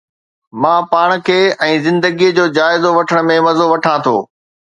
مان پاڻ کي ۽ زندگيءَ جو جائزو وٺڻ ۾ مزو وٺان ٿو